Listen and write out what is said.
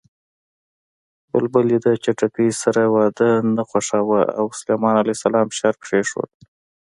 بلبلې د چتکي سره واده نه خوښاوه او سلیمان ع شرط کېښود